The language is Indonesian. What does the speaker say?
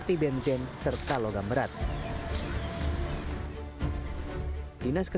ini sudah lama sekali